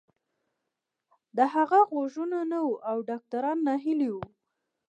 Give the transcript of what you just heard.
د هغه غوږونه نه وو او ډاکتران ناهيلي وو.